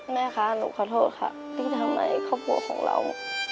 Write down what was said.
แม่คะหนูขอโทษค่ะที่ทำให้ครอบครัวของเรา